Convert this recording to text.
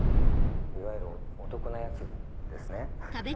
いわゆるお得なやつですね。